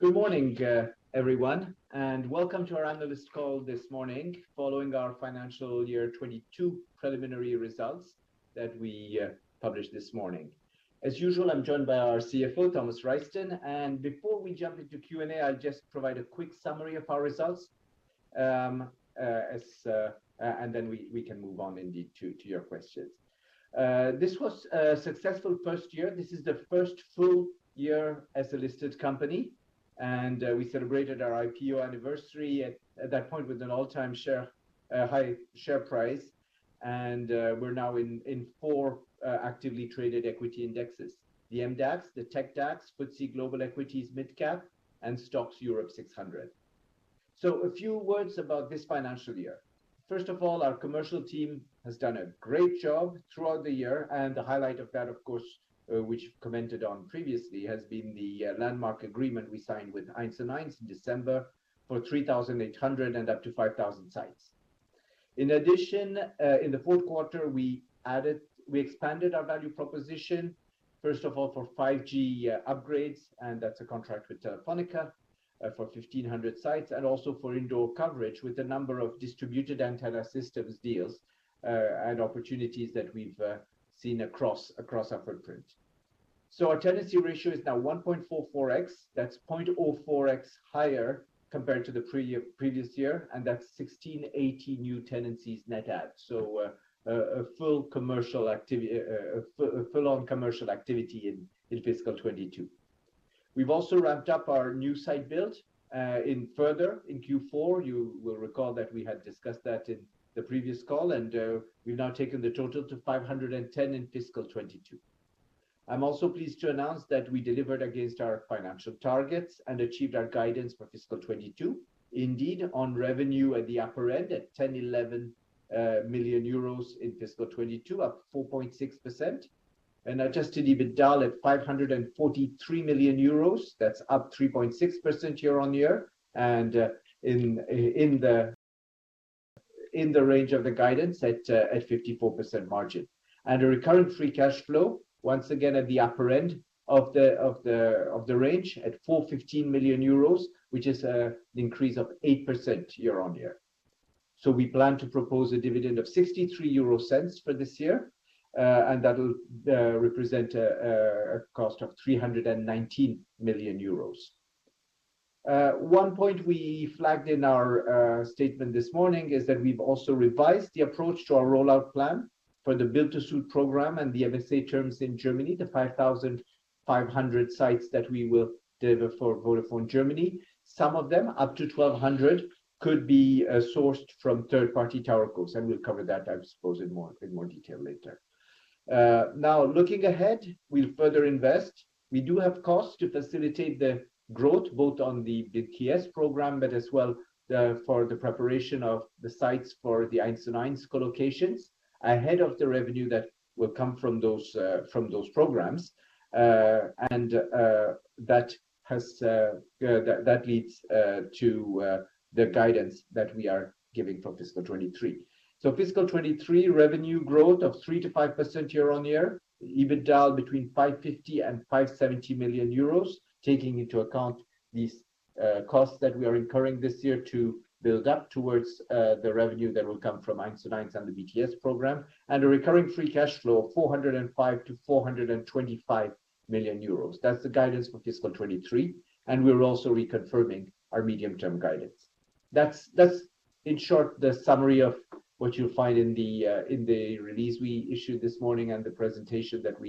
Good morning, everyone, and welcome to our analyst call this morning following our financial year 2022 preliminary results that we published this morning. As usual, I'm joined by our CFO, Thomas Reisten. Before we jump into Q&A, I'll just provide a quick summary of our results, and then we can move on indeed to your questions. This was a successful first year. This is the first full year as a listed company, and we celebrated our IPO anniversary at that point with an all-time high share price. We're now in four actively traded equity indexes, the MDAX, the TecDAX, FTSE Global Equities Midcap, and STOXX Europe 600. A few words about this financial year. First of all, our commercial team has done a great job throughout the year, and the highlight of that, of course, which commented on previously, has been the landmark agreement we signed with 1&1 in December for 3,800 and up to 5,000 sites. In addition, in the fourth quarter, we expanded our value proposition, first of all for 5G upgrades, and that's a contract with Telefónica for 1,500 sites, and also for indoor coverage with a number of distributed antenna systems deals and opportunities that we've seen across our footprint. Our tenancy ratio is now 1.44x. That's 0.04x higher compared to the previous year, and that's 1,618 new tenancies net add. A full commercial activity. A full on commercial activity in fiscal 2022. We've also ramped up our new site build further in Q4. You will recall that we had discussed that in the previous call, and we've now taken the total to 510 in fiscal 2022. I'm also pleased to announce that we delivered against our financial targets and achieved our guidance for fiscal 2022. Indeed, on revenue at the upper end at 1,011 million euros in fiscal 2022, up 4.6%. Adjusted EBITDA at 543 million euros, that's up 3.6% year-on-year, and in the range of the guidance at 54% margin. A recurrent free cash flow, once again at the upper end of the range at 415 million euros, which is an increase of 8% year-on-year. We plan to propose a dividend of 0.63 for this year, and that'll represent a cost of 319 million euros. One point we flagged in our statement this morning is that we've also revised the approach to our rollout plan for the build-to-suit program and the MSA terms in Germany, the 5,500 sites that we will deliver for Vodafone Germany. Some of them, up to 1,200, could be sourced from third-party towercos, and we'll cover that, I suppose, in more detail later. Now looking ahead, we'll further invest. We do have costs to facilitate the growth, both on the BTS program, but as well for the preparation of the sites for the 1&1 co-locations ahead of the revenue that will come from those programs. That leads to the guidance that we are giving for fiscal 2023. Fiscal 2023 revenue growth of 3%-5% year-on-year, EBITDA between 550 million and 570 million euros, taking into account these costs that we are incurring this year to build up towards the revenue that will come from 1&1 and the BTS program. A recurring free cash flow of 405 million-425 million euros. That's the guidance for fiscal 2023, and we're also reconfirming our medium-term guidance. That's in short the summary of what you'll find in the release we issued this morning and the presentation that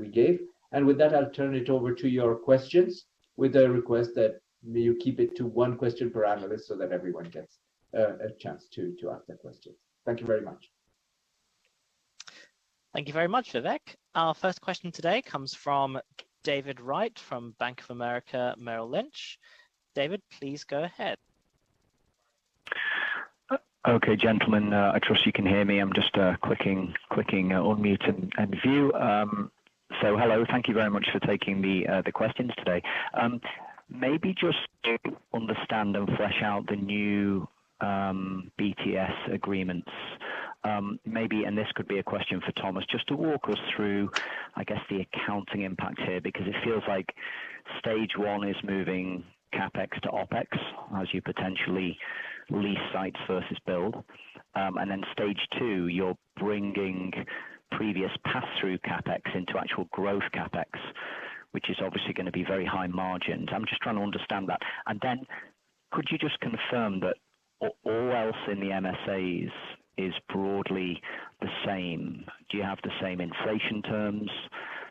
we gave. With that, I'll turn it over to your questions with a request that may you keep it to one question per analyst so that everyone gets a chance to ask their questions. Thank you very much. Thank you very much, Vivek. Our first question today comes from David Wright from Bank of America Merrill Lynch. David, please go ahead. Okay, gentlemen, I trust you can hear me. I'm just clicking on mute and view. Hello. Thank you very much for taking the questions today. Maybe just to understand and flesh out the new BTS agreements, maybe, and this could be a question for Thomas, just to walk us through, I guess, the accounting impact here, because it feels like stage one is moving CapEx to OpEx as you potentially lease sites versus build. Stage two, you're bringing previous pass-through CapEx into actual growth CapEx, which is obviously gonna be very high margined. I'm just trying to understand that. Could you just confirm that all else in the MSAs is broadly the same? Do you have the same inflation terms,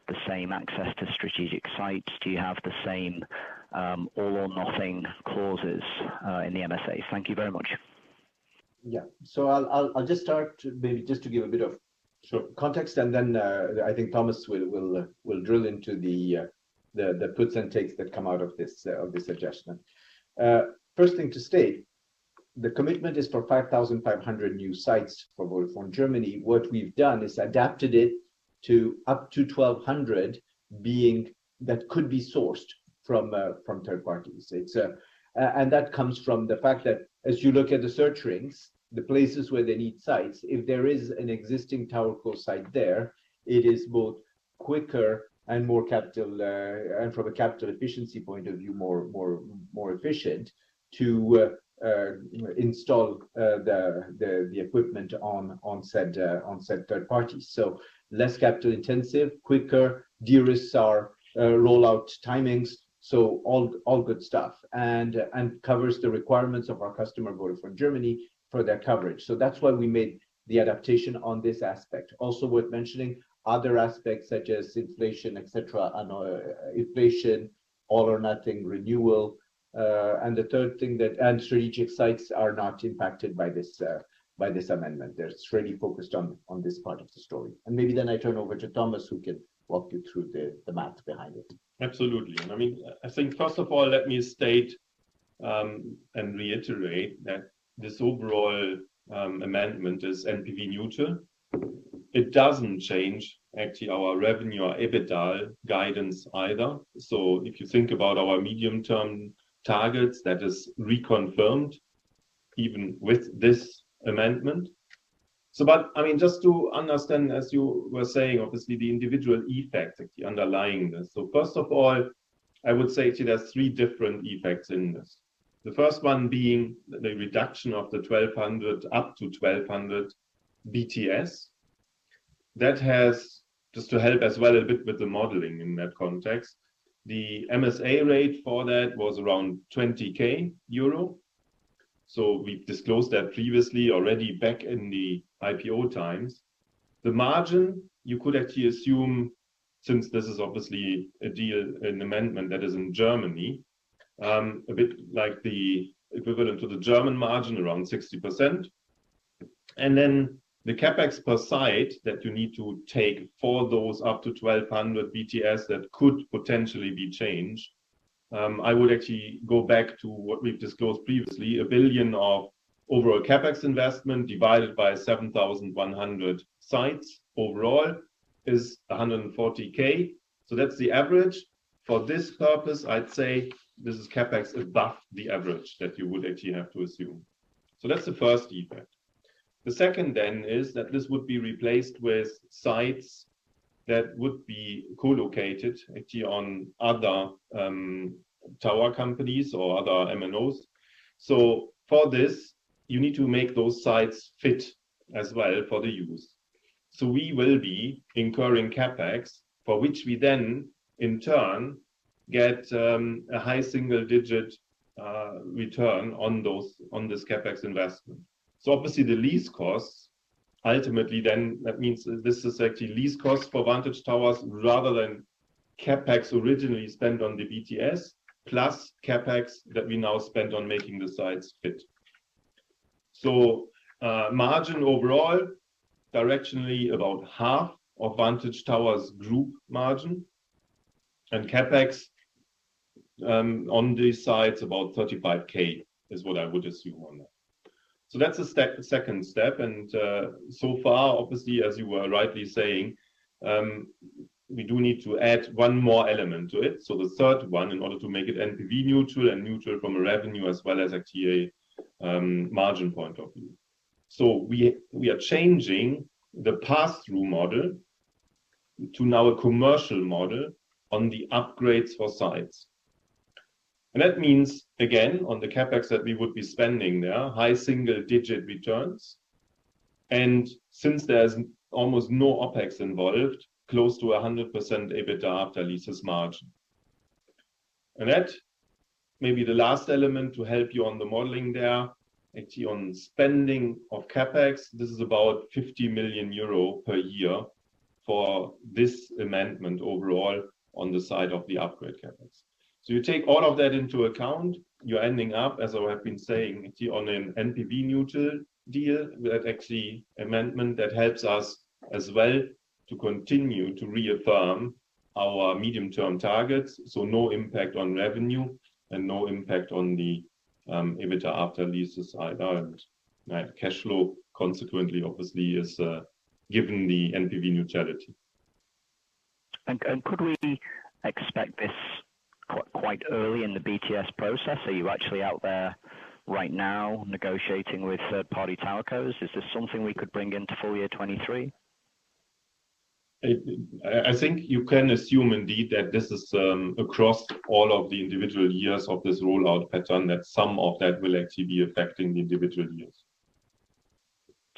the same access to strategic sites? Do you have the same, all or nothing clauses, in the MSAs? Thank you very much. Yeah. I'll just start to maybe just to give a bit of sort of context and then, I think Thomas will drill into the puts and takes that come out of this, of this adjustment. First thing to state, the commitment is for 5,500 new sites for Vodafone Germany. What we've done is adapted it to up to 1,200 being that could be sourced from third parties. It's... That comes from the fact that as you look at the search rings, the places where they need sites, if there is an existing towerco site there, it is both quicker and more capital efficient, and from a capital efficiency point of view, more efficient to install the equipment on said third parties. Less capital-intensive, quicker, de-risks our rollout timings, all good stuff. Covers the requirements of our customer, Vodafone Germany, for their coverage. That's why we made the adaptation on this aspect. Also worth mentioning, other aspects such as inflation, et cetera, and inflation, all-or-nothing renewal. The third thing, that strategic sites are not impacted by this amendment. They're strictly focused on this part of the story. Maybe then I turn over to Thomas, who can walk you through the math behind it. Absolutely. I mean, I think first of all, let me state, and reiterate that this overall amendment is NPV neutral. It doesn't change actually our revenue or EBITDA guidance either. If you think about our medium-term targets, that is reconfirmed even with this amendment. I mean, just to understand, as you were saying, obviously, the individual effect actually underlying this. First of all, I would say actually there's three different effects in this. The first one being the reduction of the 1,200, up to 1,200 BTS. That has just to help as well a bit with the modeling in that context, the MSA rate for that was around 20,000 euro. We've disclosed that previously already back in the IPO times. The margin you could actually assume, since this is obviously a deal, an amendment that is in Germany, a bit like the equivalent to the German margin, around 60%. The CapEx per site that you need to take for those up to 1,200 BTS that could potentially be changed, I would actually go back to what we've disclosed previously. 1 billion of overall CapEx investment divided by 7,100 sites overall is 140K. That's the average. For this purpose, I'd say this is CapEx above the average that you would actually have to assume. That's the first effect. The second is that this would be replaced with sites that would be co-located actually on other, tower companies or other MNOs. For this, you need to make those sites fit as well for the use. We will be incurring CapEx, for which we then in turn get a high single-digit return on those, on this CapEx investment. Obviously the lease costs ultimately then that means this is actually lease costs for Vantage Towers rather than CapEx originally spent on the BTS, plus CapEx that we now spend on making the sites fit. Margin overall directionally about half of Vantage Towers' group margin, and CapEx on these sites about 35,000 is what I would assume on that. That's a step, second step, and so far obviously, as you were rightly saying, we do need to add one more element to it. The third one, in order to make it NPV neutral and neutral from a revenue as well as actually a margin point of view. We are changing the pass-through model to now a commercial model on the upgrades for sites. That means, again, on the CapEx that we would be spending there, high single-digit returns. Since there's almost no OpEx involved, close to 100% EBITDA after leases margin. That may be the last element to help you on the modeling there, actually on spending of CapEx. This is about 50 million euro per year for this amendment overall on the side of the upgrade CapEx. You take all of that into account, you're ending up, as I have been saying, actually on an NPV neutral deal that actually amendment that helps us as well to continue to reaffirm our medium-term targets. No impact on revenue and no impact on the EBITDA after leases either. Cash flow consequently obviously is given the NPV neutrality. Could we expect this quite early in the BTS process? Are you actually out there right now negotiating with third-party telcos? Is this something we could bring into full year 2023? I think you can assume indeed that this is across all of the individual years of this rollout pattern, that some of that will actually be affecting the individual years.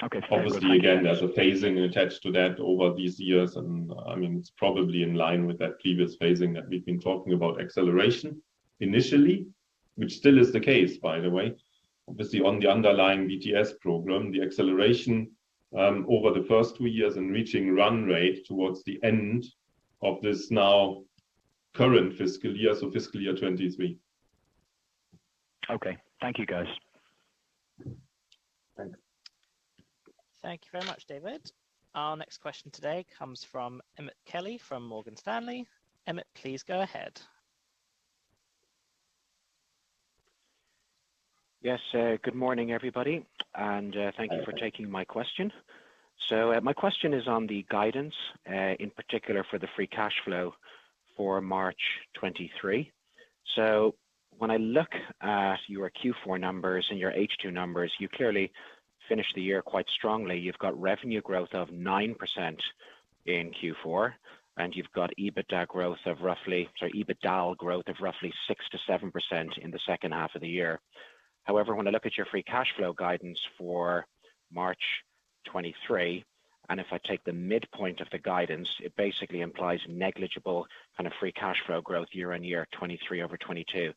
Okay. Fair enough. Obviously, again, there's a phasing attached to that over these years and, I mean, it's probably in line with that previous phasing that we've been talking about acceleration initially, which still is the case, by the way. Obviously on the underlying BTS program, the acceleration, over the first two years and reaching run rate towards the end of this now current fiscal year, so fiscal year 2023. Okay. Thank you, guys. Thank you. Thank you very much, David. Our next question today comes from Emmet Kelly from Morgan Stanley. Emmet, please go ahead. Yes. Good morning, everybody, and thank you for taking my question. My question is on the guidance, in particular for the free cash flow for March 2023. When I look at your Q4 numbers and your H2 numbers, you clearly finished the year quite strongly. You've got revenue growth of 9% in Q4, and you've got EBITDA growth of roughly 6%-7% in the second half of the year. However, when I look at your free cash flow guidance for March 2023, and if I take the midpoint of the guidance, it basically implies negligible kind of free cash flow growth year on year, 2023 over 2022.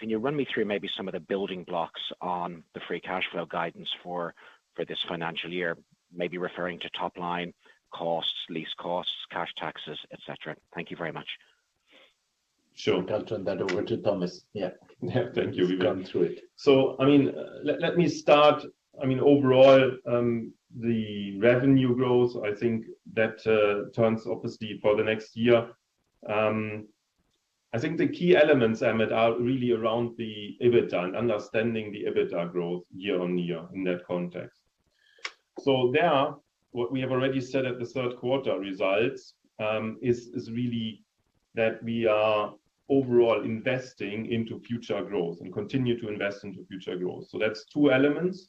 Can you run me through maybe some of the building blocks on the free cash flow guidance for this financial year? Maybe referring to top line costs, lease costs, cash taxes, et cetera. Thank you very much. Sure. I'll turn that over to Thomas. Yeah. Yeah. Thank you. He's gone through it. I mean, let me start. I mean, overall, the revenue growth, I think that, turns obviously for the next year. I think the key elements, Emmet, are really around the EBITDA and understanding the EBITDA growth year-over-year in that context. There, what we have already said at the third quarter results, is really that we are overall investing into future growth and continue to invest into future growth. That's two elements.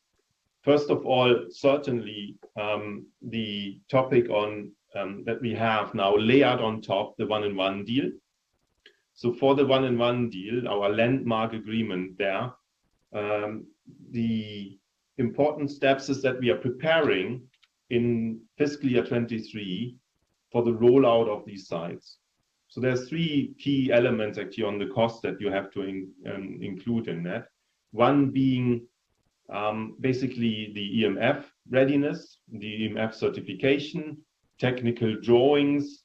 First of all, certainly, the topic on, that we have now laid out on top of the 1&1 deal. For the 1&1 deal, our landmark agreement there, the important steps is that we are preparing in fiscal year 2023 for the rollout of these sites. There's three key elements actually on the cost that you have to include in that. One being, basically the EMF readiness, the EMF certification, technical drawings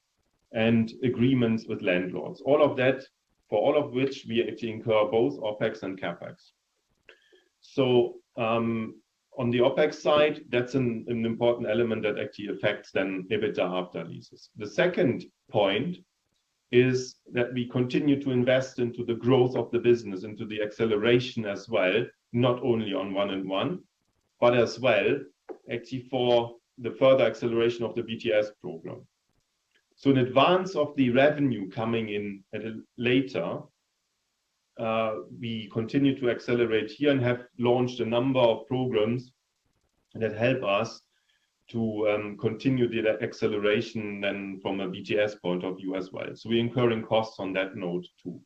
and agreements with landlords. All of that, for all of which we actually incur both OpEx and CapEx. On the OpEx side, that's an important element that actually affects then EBITDA after leases. The second point is that we continue to invest into the growth of the business, into the acceleration as well, not only on 1&1, but as well actually for the further acceleration of the BTS program. In advance of the revenue coming in at a later, we continue to accelerate here and have launched a number of programs that help us to continue the acceleration then from a BTS point of view as well. We're incurring costs on that note too.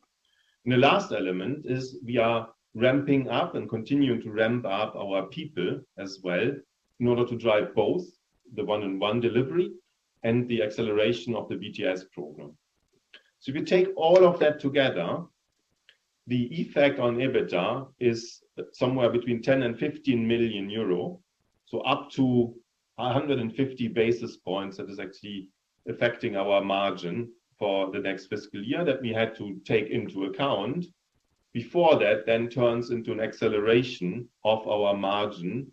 The last element is we are ramping up and continuing to ramp up our people as well in order to drive both the 1&1 delivery and the acceleration of the BTS program. If you take all of that together, the effect on EBITDA is somewhere between 10 million and 15 million euro. Up to 150 basis points that is actually affecting our margin for the next fiscal year that we had to take into account before that then turns into an acceleration of our margin,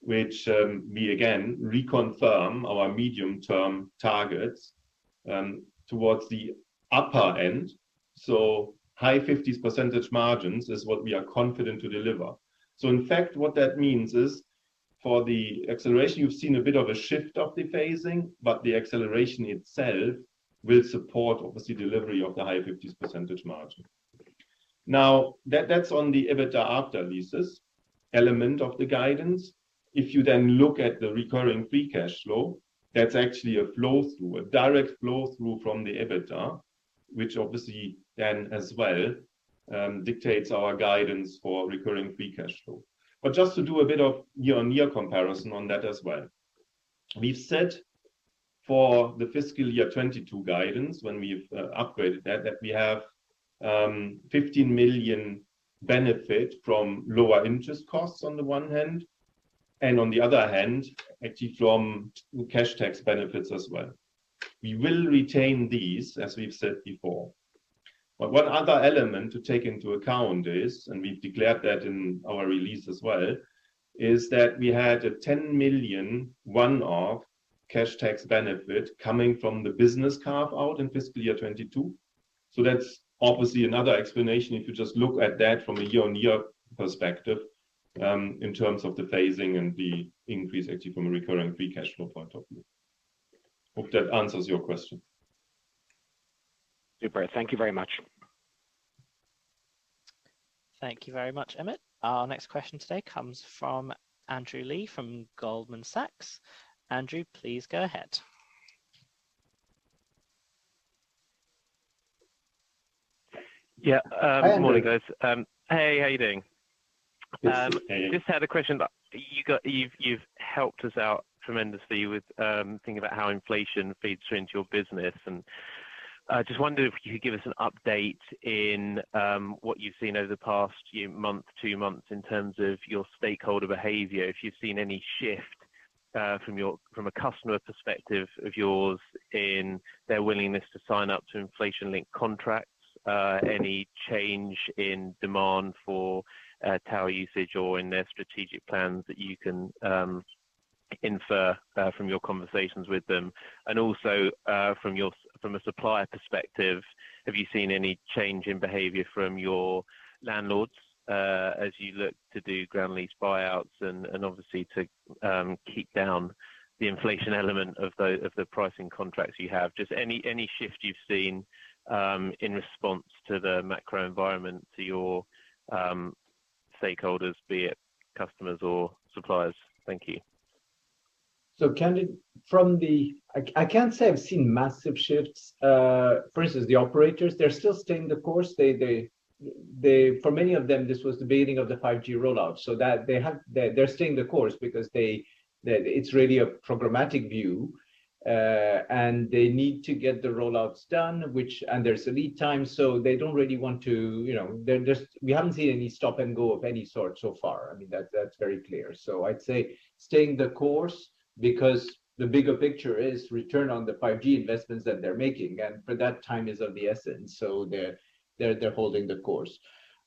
which we again reconfirm our medium-term targets towards the upper end. High 50s% margins is what we are confident to deliver. In fact, what that means is for the acceleration, you've seen a bit of a shift of the phasing, but the acceleration itself will support obviously delivery of the high 50s% margin. That's on the EBITDA after leases element of the guidance. If you then look at the recurring free cash flow, that's actually a flow through, a direct flow through from the EBITDA, which obviously then as well dictates our guidance for recurring free cash flow. Just to do a bit of year-on-year comparison on that as well. We've said for the fiscal year 2022 guidance, when we've upgraded that we have 15 million benefit from lower interest costs on the one hand, and on the other hand, actually from cash tax benefits as well. We will retain these, as we've said before. One other element to take into account is, and we've declared that in our release as well, is that we had a 10 million one-off cash tax benefit coming from the business carve-out in fiscal year 2022. That's obviously another explanation if you just look at that from a year-on-year perspective, in terms of the phasing and the increase actually from a recurring free cash flow point of view. Hope that answers your question. Super. Thank you very much. Thank you very much, Emmet. Our next question today comes from Andrew Lee from Goldman Sachs. Andrew, please go ahead. Yeah. Andrew. Good morning, guys. Hey, how you doing? Just okay. Just had a question that you got. You've helped us out tremendously with thinking about how inflation feeds through into your business. Just wondered if you could give us an update on what you've seen over the past month, two months in terms of your stakeholder behavior. If you've seen any shift from a customer perspective of yours in their willingness to sign up to inflation-linked contracts, any change in demand for tower usage or in their strategic plans that you can infer from your conversations with them. Also, from a supplier perspective, have you seen any change in behavior from your landlords as you look to do ground lease buyouts and obviously to keep down the inflation element of the pricing contracts you have? Just any shift you've seen in response to the macro environment to your stakeholders, be it customers or suppliers? Thank you. I can't say I've seen massive shifts. For instance, the operators, they're still staying the course. For many of them, this was the beginning of the 5G rollout, so they're staying the course because it's really a programmatic view. They need to get the rollouts done, and there's a lead time, so they don't really want to, you know. We haven't seen any stop and go of any sort so far. I mean, that's very clear. I'd say staying the course because the bigger picture is return on the 5G investments that they're making. For that, time is of the essence, so they're holding the course.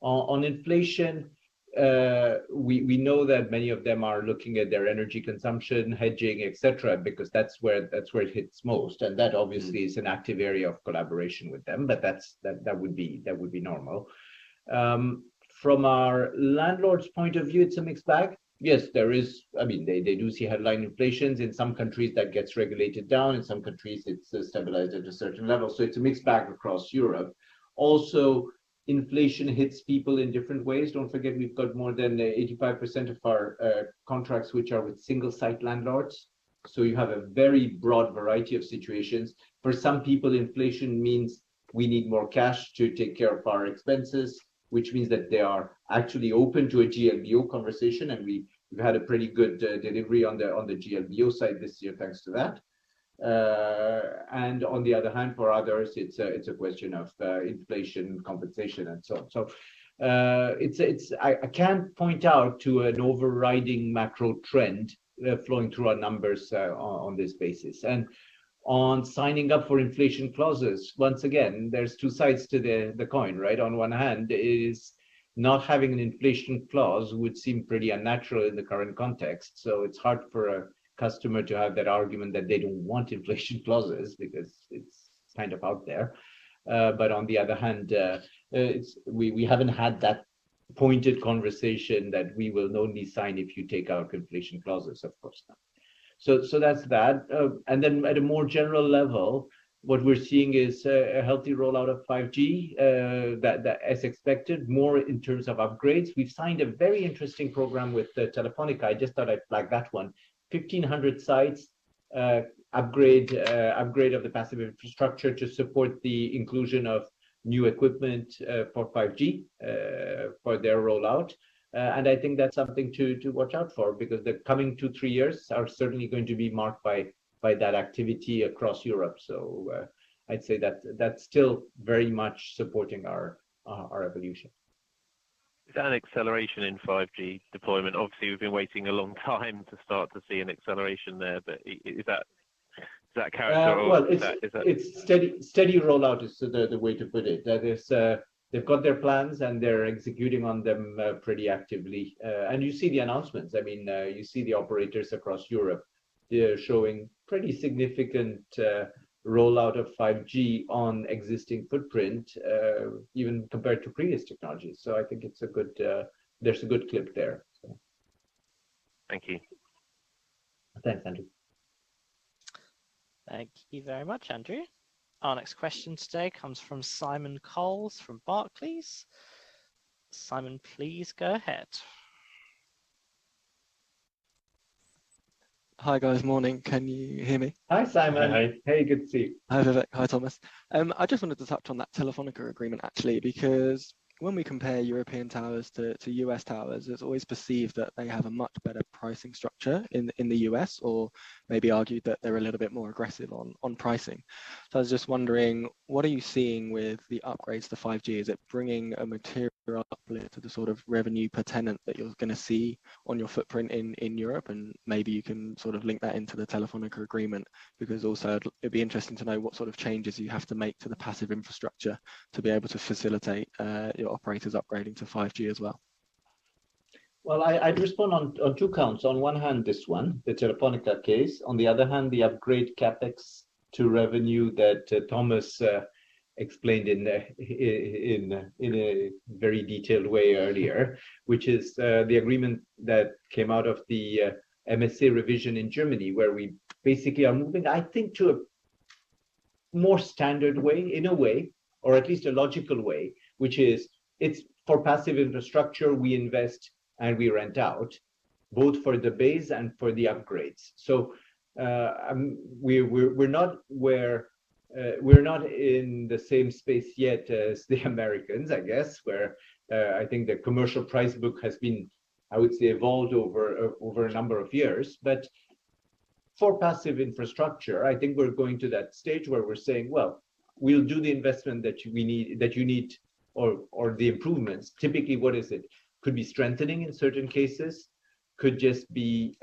On inflation, we know that many of them are looking at their energy consumption, hedging, et cetera, because that's where it hits most. That obviously is an active area of collaboration with them. But that would be normal. From our landlords' point of view, it's a mixed bag. Yes, there is. I mean, they do see headline inflations. In some countries, that gets regulated down. In some countries, it's stabilized at a certain level. It's a mixed bag across Europe. Also, inflation hits people in different ways. Don't forget we've got more than 85% of our contracts which are with single-site landlords, so you have a very broad variety of situations. For some people, inflation means we need more cash to take care of our expenses, which means that they are actually open to a GLBO conversation, and we've had a pretty good delivery on the GLBO side this year, thanks to that. On the other hand, for others, it's a question of inflation compensation and so on. I can't point out to an overriding macro trend flowing through our numbers on this basis. On signing up for inflation clauses, once again, there's two sides to the coin, right? On one hand, not having an inflation clause would seem pretty unnatural in the current context, so it's hard for a customer to have that argument that they don't want inflation clauses because it's kind of out there. On the other hand, we haven't had that pointed conversation that we will only sign if you take our inflation clauses, of course not. That's that. At a more general level, what we're seeing is a healthy rollout of 5G, that as expected, more in terms of upgrades. We've signed a very interesting program with Telefónica. I just thought I'd flag that one. 1,500 sites, upgrade of the passive infrastructure to support the inclusion of new equipment, for 5G, for their rollout. I think that's something to watch out for because the coming two, three years are certainly going to be marked by that activity across Europe. I'd say that's still very much supporting our evolution. Is that an acceleration in 5G deployment? Obviously, we've been waiting a long time to start to see an acceleration there. Is that, does that character- Well, it's. Is that? It's steady rollout is the way to put it. That is, they've got their plans, and they're executing on them pretty actively. You see the announcements. I mean, you see the operators across Europe. They're showing pretty significant rollout of 5G on existing footprint, even compared to previous technologies. I think there's a good clip there, so. Thank you. Thanks, Andrew. Thank you very much, Andrew. Our next question today comes from Simon Coles from Barclays. Simon, please go ahead. Hi, guys. Morning. Can you hear me? Hi, Simon. Hi. Hey, good to see you. Hi, Vivek. Hi, Thomas. I just wanted to touch on that Telefónica agreement actually, because when we compare European towers to U.S. towers, it's always perceived that they have a much better pricing structure in the U.S. or maybe argued that they're a little bit more aggressive on pricing. I was just wondering, what are you seeing with the upgrades to 5G? Is it bringing a material uplift to the sort of revenue per tenant that you're gonna see on your footprint in Europe? Maybe you can sort of link that into the Telefónica agreement, because also it'd be interesting to know what sort of changes you have to make to the passive infrastructure to be able to facilitate your operators upgrading to 5G as well. I'd respond on two counts. On one hand, this one, the Telefónica case. On the other hand, the upgrade CapEx to revenue that Thomas explained in a very detailed way earlier, which is the agreement that came out of the MSA revision in Germany, where we basically are moving, I think, to a more standard way, in a way, or at least a logical way, which is it's for passive infrastructure, we invest and we rent out both for the base and for the upgrades. We're not in the same space yet as the Americans, I guess, where I think the commercial price book has been, I would say, evolved over a number of years. For passive infrastructure, I think we're going to that stage where we're saying, "Well, we'll do the investment that we need, that you need or the improvements." Typically, what is it? Could be strengthening in certain cases. Could just be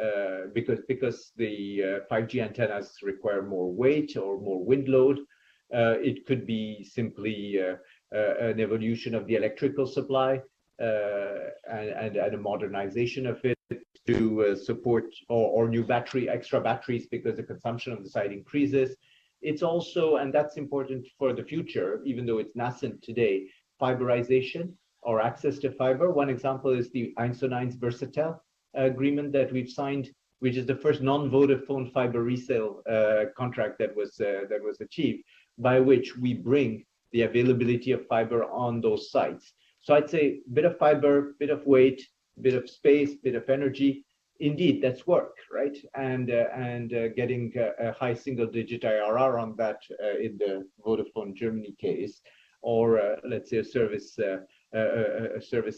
because the 5G antennas require more weight or more wind load. It could be simply an evolution of the electrical supply, and a modernization of it to support or new battery, extra batteries because the consumption of the site increases. It's also, and that's important for the future, even though it's nascent today, fiberization or access to fiber. One example is the 1&1 Versatel agreement that we've signed, which is the first non-Vodafone fiber resale contract that was achieved, by which we bring the availability of fiber on those sites. I'd say bit of fiber, bit of weight, bit of space, bit of energy. Indeed, that's work, right? Getting a high single digit IRR on that in the Vodafone Germany case or let's say a service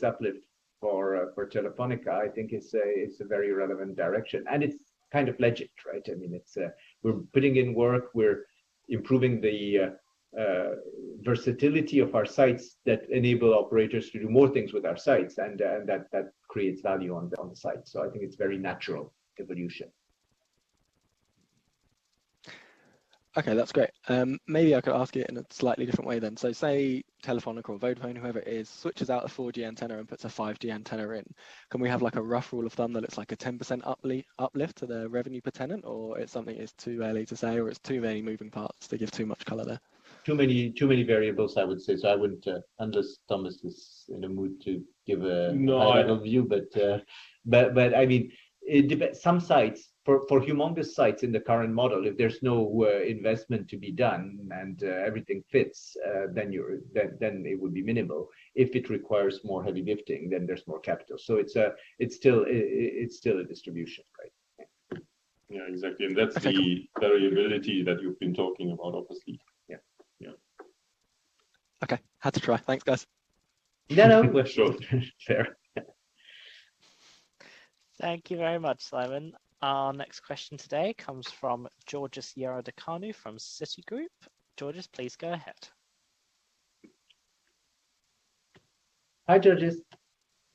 uplift for Telefónica, I think it's a very relevant direction, and it's kind of legit, right? I mean, it's we're putting in work, we're improving the versatility of our sites that enable operators to do more things with our sites, and that creates value on the site. I think it's very natural evolution. Okay, that's great. Maybe I could ask it in a slightly different way than. Say Telefónica or Vodafone, whoever it is, switches out a 4G antenna and puts a 5G antenna in. Can we have like a rough rule of thumb that it's like a 10% uplift to the revenue per tenant, or it's something that's too early to say, or it's too many moving parts to give too much color there? Too many variables, I would say. I wouldn't unless Thomas is in a mood to give a. No. A little view. I mean, some sites, for humongous sites in the current model, if there's no investment to be done and everything fits, then it would be minimal. If it requires more heavy lifting, then there's more capital. It's still a distribution, right? Yeah. Yeah, exactly. That's the variability that you've been talking about, obviously. Yeah. Yeah. Okay. Had to try. Thanks, guys. No, no. For sure. Thank you very much, Simon. Our next question today comes from Georgios Ierodiaconou from Citigroup. Georgios, please go ahead. Hi, Georgios.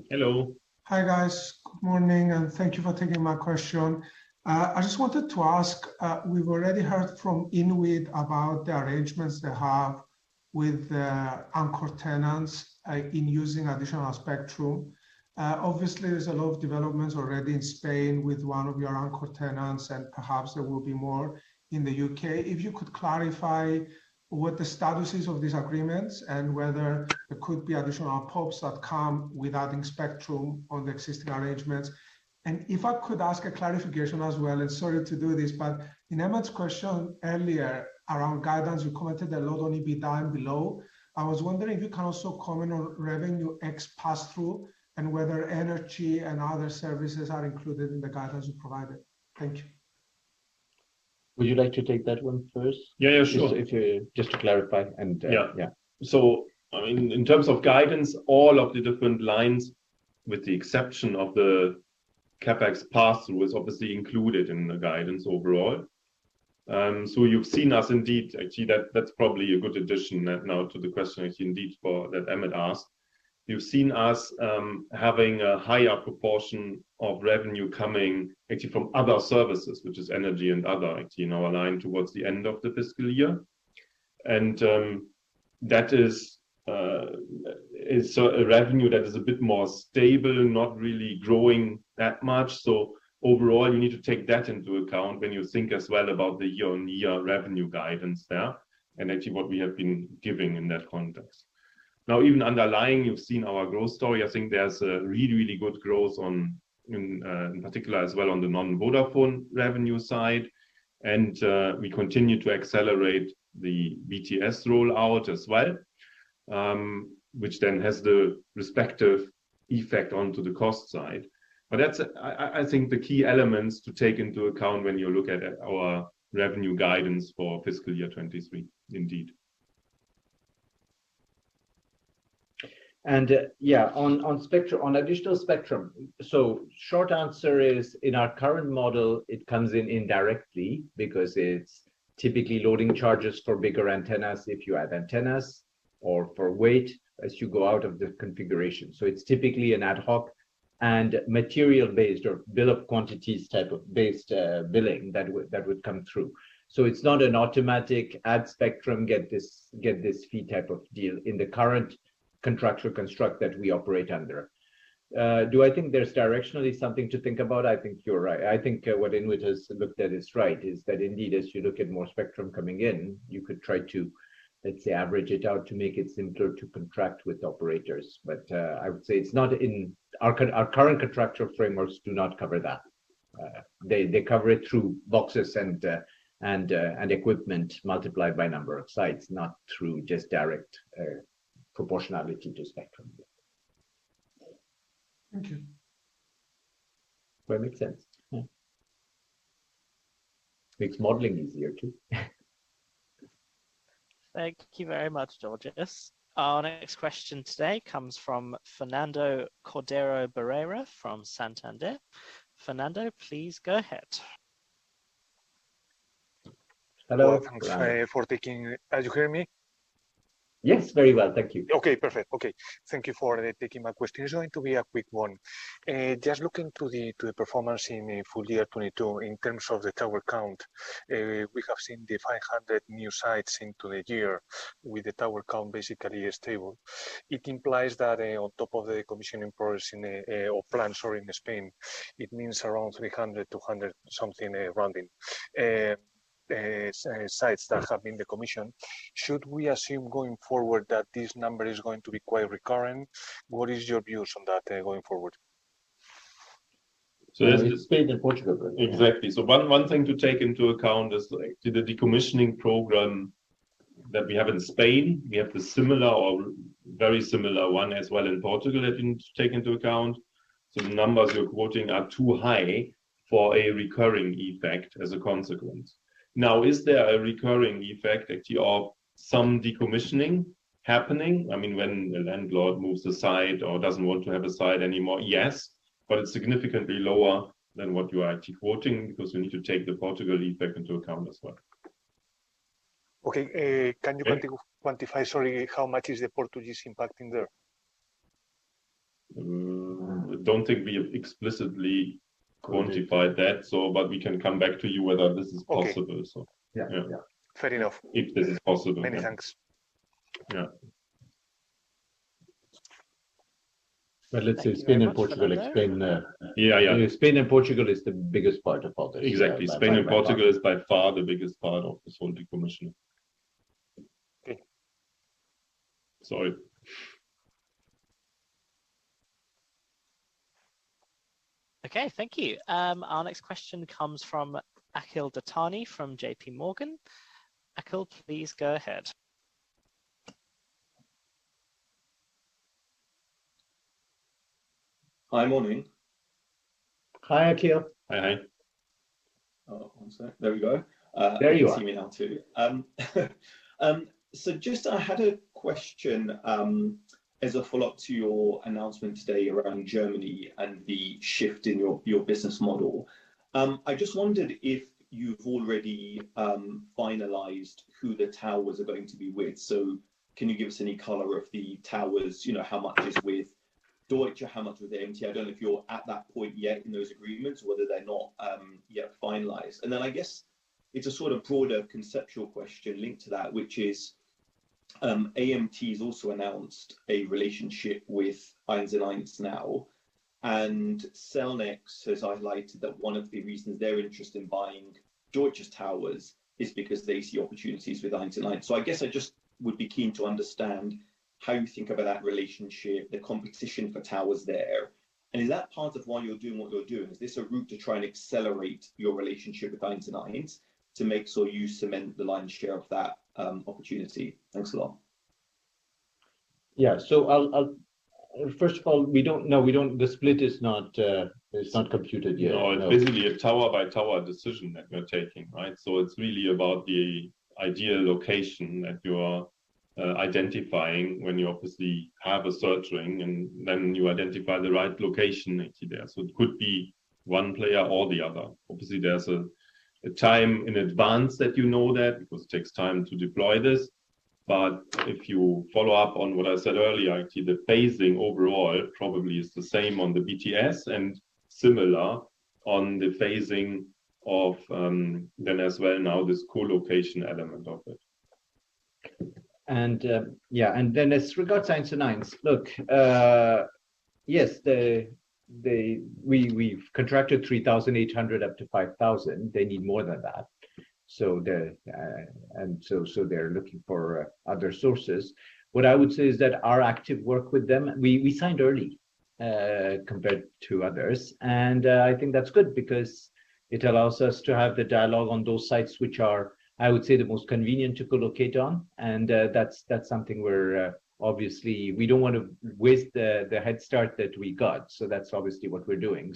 Hello. Hi, guys. Good morning, and thank you for taking my question. I just wanted to ask, we've already heard from INWIT about the arrangements they have with the anchor tenants in using additional spectrum. Obviously, there's a lot of developments already in Spain with one of your anchor tenants, and perhaps there will be more in the U.K. If you could clarify what the status is of these agreements and whether there could be additional pops that come with adding spectrum on the existing arrangements. If I could ask a clarification as well, and sorry to do this, but in Emmet's question earlier around guidance, you commented the lowdown on EBITDA and below. I was wondering if you can also comment on revenue cap pass-through and whether energy and other services are included in the guidance you provided. Thank you. Would you like to take that one first? Yeah, yeah. Sure. If just to clarify and. Yeah. Yeah. I mean, in terms of guidance, all of the different lines with the exception of the CapEx pass-through is obviously included in the guidance overall. Actually, that's probably a good addition now to the question actually indeed for that Emmet asked. You've seen us having a higher proportion of revenue coming actually from other services, which is energy and other, actually, in our line towards the end of the fiscal year. That is a revenue that is a bit more stable, not really growing that much. Overall, you need to take that into account when you think as well about the year-on-year revenue guidance there and actually what we have been giving in that context. Now, even underlying, you've seen our growth story. I think there's a really, really good growth on in particular as well on the non-Vodafone revenue side. We continue to accelerate the BTS rollout as well, which then has the respective effect onto the cost side. That's, I think, the key elements to take into account when you look at our revenue guidance for fiscal year 2023 indeed. Yeah, on additional spectrum. Short answer is in our current model it comes in indirectly because it's typically loading charges for bigger antennas if you add antennas or for weight as you go out of the configuration. It's typically an ad hoc and material-based or bill of quantities type of based billing that would come through. It's not an automatic add spectrum, get this fee type of deal in the current contractual construct that we operate under. Do I think there's directionally something to think about? I think you're right. I think what INWIT has looked at is right, that indeed as you look at more spectrum coming in, you could try to, let's say, average it out to make it simpler to contract with operators. I would say it's not in. Our current contractual frameworks do not cover that. They cover it through boxes and equipment multiplied by number of sites, not through just direct proportionality to spectrum. Okay. Well, it makes sense. Yeah. Makes modeling easier too. Thank you very much, Georgios. Our next question today comes from Fernando Cordeiro Barrera from Santander. Fernando, please go ahead. Hello, Fernando. Well, thanks. You hear me? Yes, very well. Thank you. Okay, perfect. Okay. Thank you for taking my question. It's going to be a quick one. Just looking to the performance in full year 2022 in terms of the tower count. We have seen the 500 new sites into the year with the tower count basically stable. It implies that, on top of the commissioning progress in Spain, it means around 300, 200 something rounding sites that have been decommissioned. Should we assume going forward that this number is going to be quite recurrent? What is your views on that going forward? So it's- Spain and Portugal, right? Exactly. One thing to take into account is like the decommissioning program that we have in Spain. We have the similar or very similar one as well in Portugal that you need to take into account. The numbers you're quoting are too high for a recurring effect as a consequence. Now, is there a recurring effect actually of some decommissioning happening? I mean, when a landlord moves the site or doesn't want to have a site anymore? Yes, but it's significantly lower than what you are actually quoting because we need to take the Portugal effect into account as well. Okay. Can you quantify, sorry, how much is the Portuguese impact in there? I don't think we have explicitly quantified that, but we can come back to you whether this is possible. Okay. Yeah. Yeah. Fair enough. If this is possible. Many thanks. Yeah. Let's say Spain and Portugal, it's Spain. Yeah, yeah. Spain and Portugal is the biggest part of all this. Exactly. Spain and Portugal is by far the biggest part of this whole decommission. Okay. So... Okay. Thank you. Our next question comes from Akhil Dattani from J.P. Morgan. Akhil, please go ahead. Hi. Morning. Hi, Akhil. Hi. Hi. Oh, one sec. There we go. There you are. You can see me now too. Just I had a question as a follow-up to your announcement today around Germany and the shift in your business model. I just wondered if you've already finalized who the towers are going to be with. Can you give us any color of the towers? You know, how much is with Deutsche, how much with AMT? I don't know if you're at that point yet in those agreements or whether they're not yet finalized. I guess it's a sort of broader conceptual question linked to that, which is, AMT's also announced a relationship with United Internet now, and Cellnex has highlighted that one of the reasons they're interested in buying Deutsche's towers is because they see opportunities with United Internet. I guess I just would be keen to understand how you think about that relationship, the competition for towers there, and is that part of why you're doing what you're doing? Is this a route to try and accelerate your relationship with United Internet to make sure you cement the lion's share of that opportunity? Thanks a lot. First of all, we don't. The split is not computed yet. No. No. It's basically a tower by tower decision that we're taking, right? It's really about the ideal location that you are identifying when you obviously have a search running, and then you identify the right location actually there. It could be one player or the other. Obviously, there's a time in advance that you know that because it takes time to deploy this. If you follow up on what I said earlier, actually, the phasing overall probably is the same on the BTS and similar on the phasing of then as well now this co-location element of it. Yeah. As regards United Internet, look, yes, we've contracted 3,800 up to 5,000. They need more than that. They're looking for other sources. What I would say is that our active work with them, we signed early compared to others. I think that's good because it allows us to have the dialogue on those sites which are, I would say, the most convenient to co-locate on. That's something we're obviously, we don't wanna waste the head start that we got. That's obviously what we're doing.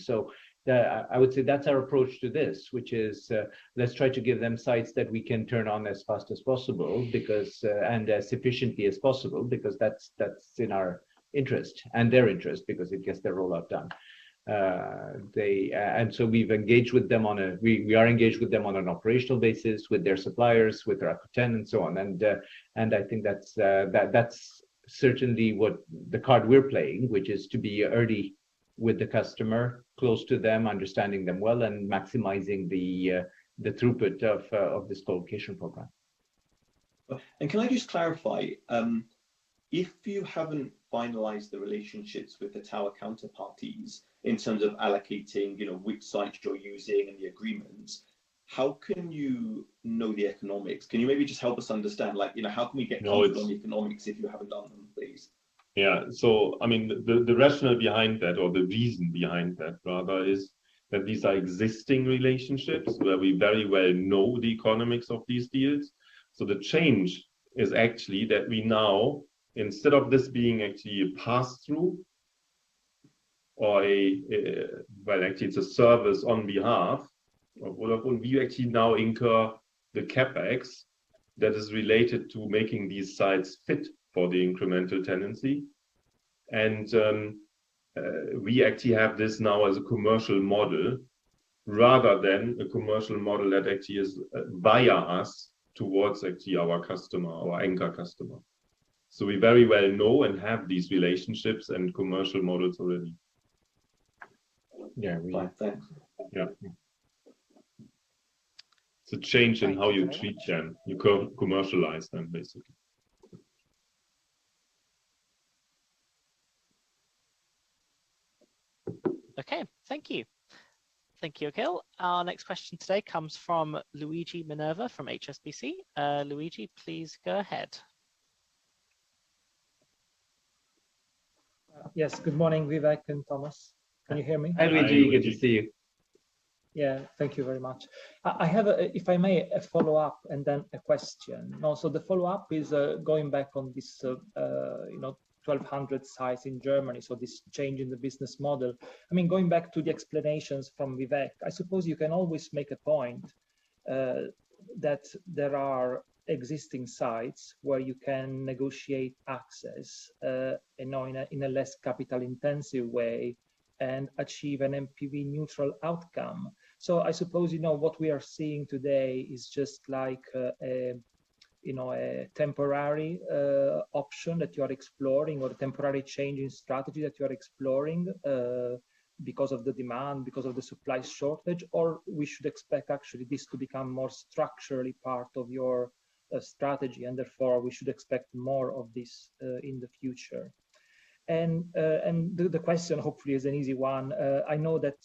I would say that's our approach to this, which is, let's try to give them sites that we can turn on as fast as possible because and as efficiently as possible because that's in our interest and their interest because it gets their rollout done. We are engaged with them on an operational basis with their suppliers, with their operators and so on. I think that's certainly what the card we're playing, which is to be early with the customer, close to them, understanding them well, and maximizing the throughput of this co-location program. Can I just clarify, if you haven't finalized the relationships with the tower counterparties in terms of allocating, you know, which sites you're using and the agreements, how can you know the economics? Can you maybe just help us understand, like, you know, how can we get- No, it's. Economics if you haven't done them, please? Yeah. I mean, the rationale behind that or the reason behind that rather is that these are existing relationships where we very well know the economics of these deals. The change is actually that we now, instead of this being actually a pass-through, actually it's a service on behalf of Vodafone, we actually now incur the CapEx that is related to making these sites fit for the incremental tenancy. We actually have this now as a commercial model rather than a commercial model that actually is via us towards actually our customer, our anchor customer. We very well know and have these relationships and commercial models already. Yeah. Right. Thanks. Yeah. It's a change in how you treat them. You co-commercialize them, basically. Okay. Thank you. Thank you, Akhil. Our next question today comes from Luigi Minerva from HSBC. Luigi, please go ahead. Yes. Good morning, Vivek and Thomas. Can you hear me? Hi, Luigi. Good to see you. Yeah. Thank you very much. I have a, if I may, a follow-up and then a question. The follow-up is, going back on this, you know, 1,200 sites in Germany, so this change in the business model. I mean, going back to the explanations from Vivek, I suppose you can always make a point, that there are existing sites where you can negotiate access, you know, in a less capital-intensive way and achieve an NPV neutral outcome. I suppose, you know, what we are seeing today is just like, a, you know, a temporary option that you are exploring or temporary change in strategy that you are exploring, because of the demand, because of the supply shortage, or we should expect actually this to become more structurally part of your strategy, and therefore we should expect more of this in the future. The question hopefully is an easy one. I know that,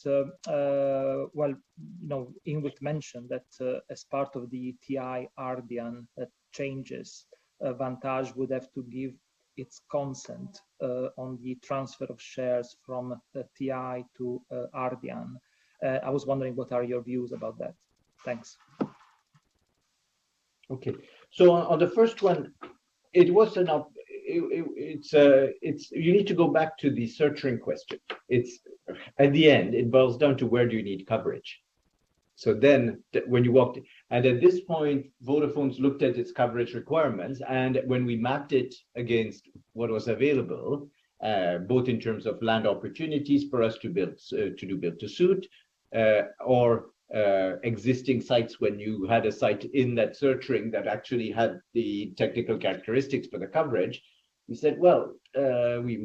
well, you know, INWIT mentioned that, as part of the TIM Ardian changes, Vantage would have to give its consent on the transfer of shares from TIM to Ardian. I was wondering what are your views about that? Thanks. Okay. On the first one, you need to go back to the search ring question. At the end, it boils down to where do you need coverage. Then when you walked. At this point, Vodafone's looked at its coverage requirements, and when we mapped it against what was available, both in terms of land opportunities for us to build-to-suit, or existing sites when you had a site in that search ring that actually had the technical characteristics for the coverage, we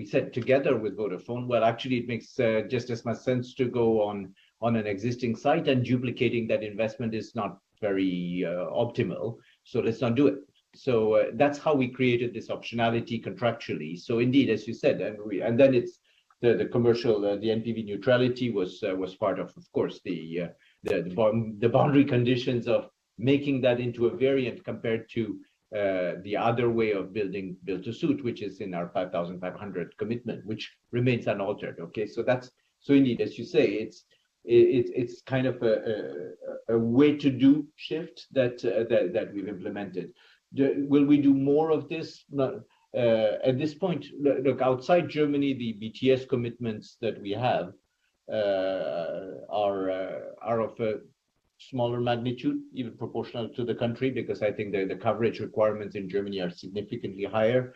said together with Vodafone, "Well, actually it makes just as much sense to go on an existing site and duplicating that investment is not very optimal, so let's not do it." That's how we created this optionality contractually. Indeed, as you said, then it's the commercial NPV neutrality was part of course, the boundary conditions of making that into a variant compared to the other way of building build-to-suit, which is in our 5,500 commitment, which remains unaltered, okay? Indeed, as you say, it's kind of a way to do shift that we've implemented. Will we do more of this? No. At this point, look, outside Germany, the BTS commitments that we have are of a smaller magnitude, even proportional to the country, because I think the coverage requirements in Germany are significantly higher.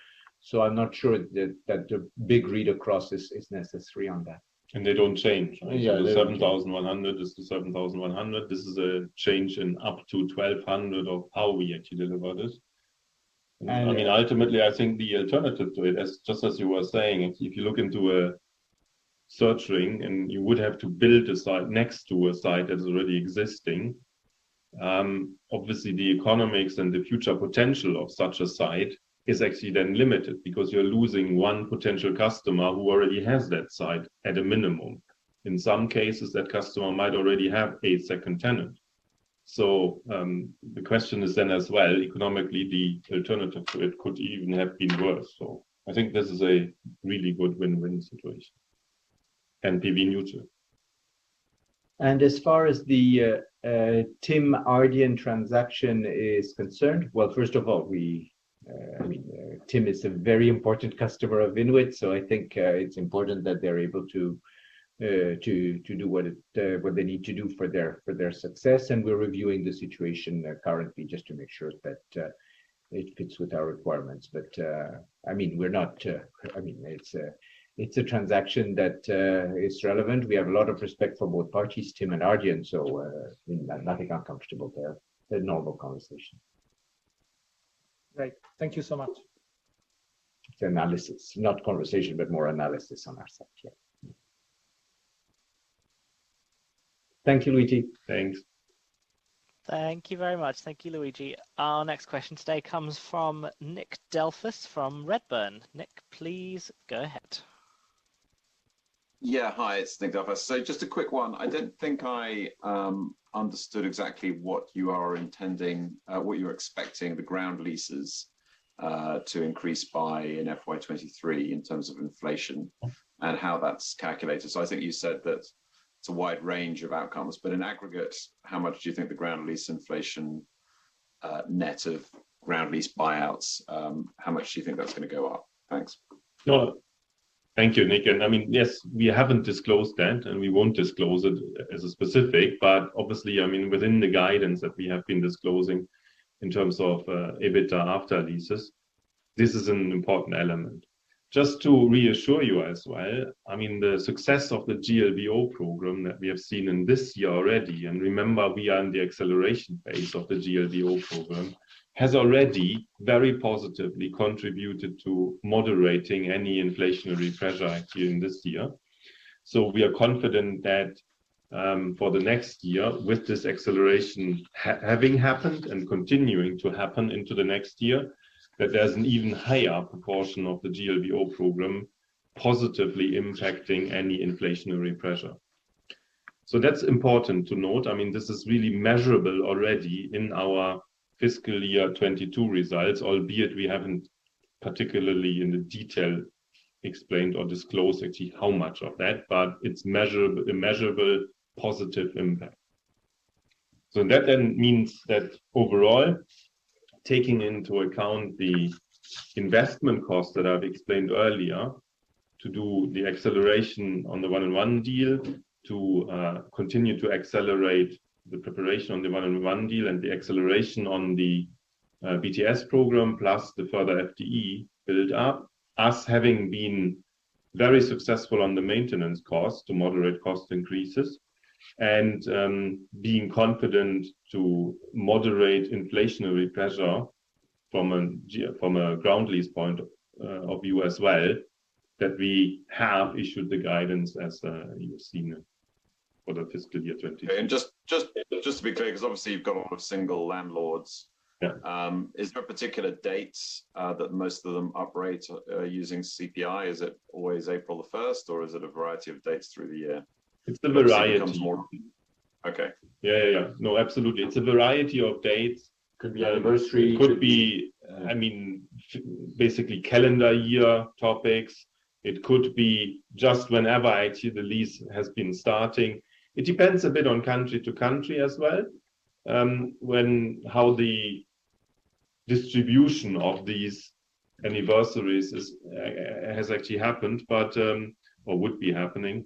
I'm not sure that the big read-across is necessary on that. They don't change, right? Yeah. They don't change. The 7,100 is the 7,100. This is a change in up to 1,200 of how we actually deliver this. And- I mean, ultimately, I think the alternative to it, as just as you were saying, if you look into a search ring and you would have to build a site next to a site that is already existing, obviously the economics and the future potential of such a site is actually then limited because you're losing one potential customer who already has that site at a minimum. In some cases, that customer might already have a second tenant. The question is then as well, economically, the alternative to it could even have been worse. I think this is a really good win-win situation. NPV neutral. As far as the TIM Ardian transaction is concerned, well, first of all, I mean, TIM is a very important customer of INWIT, so I think it's important that they're able to do what they need to do for their success, and we're reviewing the situation currently just to make sure that it fits with our requirements. I mean, it's a transaction that is relevant. We have a lot of respect for both parties, TIM and Ardian, so I mean, nothing uncomfortable there. A normal conversation. Great. Thank you so much. It's analysis, not conversation, but more analysis on our side. Yeah. Thank you, Luigi. Thanks. Thank you very much. Thank you, Luigi. Our next question today comes from Nick Delfas from Redburn. Nick, please go ahead. Hi, it's Nick Delfas. Just a quick one. I don't think I understood exactly what you are intending, what you're expecting the ground leases to increase by in FY 2023 in terms of inflation and how that's calculated. I think you said that it's a wide range of outcomes, but in aggregate, how much do you think the ground lease inflation, net of ground lease buyouts, how much do you think that's gonna go up? Thanks. No. Thank you, Nick. I mean, yes, we haven't disclosed that, and we won't disclose it as a specific, but obviously, I mean, within the guidance that we have been disclosing in terms of, EBITDA after leases, this is an important element. Just to reassure you as well, I mean, the success of the GLBO program that we have seen in this year already, and remember we are in the acceleration phase of the GLBO program, has already very positively contributed to moderating any inflationary pressure actually in this year. We are confident that, for the next year, with this acceleration having happened and continuing to happen into the next year, that there's an even higher proportion of the GLBO program positively impacting any inflationary pressure. That's important to note. I mean, this is really measurable already in our fiscal year 2022 results, albeit we haven't particularly in the detail explained or disclosed actually how much of that. It's measurable, a measurable positive impact. That then means that overall, taking into account the investment costs that I've explained earlier to do the acceleration on the 1&1 deal, to continue to accelerate the preparation on the 1&1 deal and the acceleration on the BTS program, plus the further FTE build up. Us having been very successful on the maintenance cost to moderate cost increases and being confident to moderate inflationary pressure from a ground lease point of view as well, that we have issued the guidance as you have seen it for the fiscal year 2023. Just to be clear, 'cause obviously you've gone with single landlords. Yeah. Is there a particular date that most of them operate using CPI? Is it always April the first, or is it a variety of dates through the year? It's a variety. Okay. Yeah, yeah. No, absolutely. It's a variety of dates. Could be anniversary. Could be, I mean, basically calendar year basis. It could be just whenever actually the lease has been starting. It depends a bit from country to country as well, how the distribution of these anniversaries has actually happened, but or would be happening